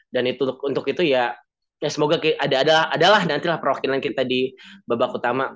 dan untuk itu ya semoga ada adalah nantilah perwakilan kita di babak utama